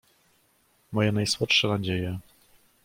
"moje najsłodsze nadzieje!"